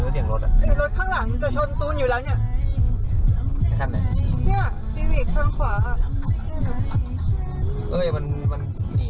เต็มระวัง